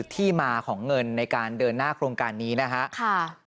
ที่มาของเงินในการเดินหน้าโครงการนี้นะครับ